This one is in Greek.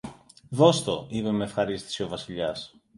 Δώσ' το, είπε μ' ευχαρίστηση ο Βασιλιάς.